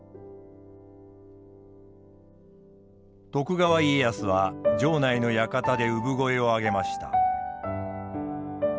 徳川家康は城内の館で産声を上げました。